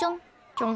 ちょん。